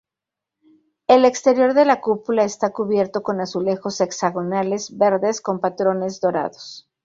El exterior de la cúpula está cubierto con azulejos hexagonales verdes con patrones dorados.